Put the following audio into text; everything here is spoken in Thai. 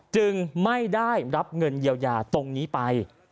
จึงไม่ได้รับเงินเยียวยาตรงนี้ไป